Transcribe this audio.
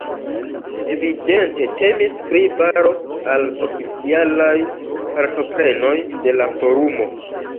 Evidente temis pri baro al oficialaj partoprenoj de la forumo.